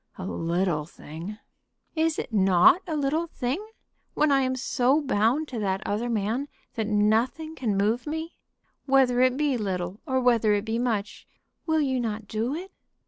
"A little thing!" "Is it not a little thing, when I am so bound to that other man that nothing can move me? Whether it be little or whether it be much, will you not do it?"